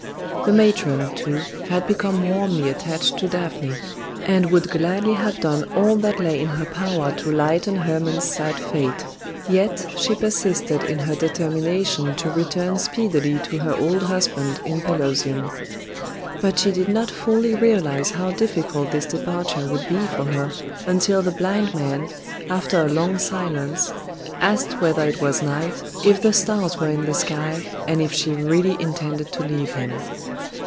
The matron, too, had become warmly attached to Daphne, and would gladly have done all that lay in her power to lighten Hermon's sad fate, yet she persisted in her determination to return speedily to her old husband in Pelusium. But she did not fully realize how difficult this departure would be for her until the blind man, after a long silence, asked whether it was night, if the stars were in the sky, and if she really intended to leave him.